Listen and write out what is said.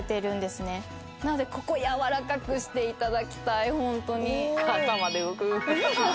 なのでここやわらかくしていただきたい。